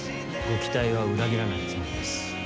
ご期待は裏切らないつもりです。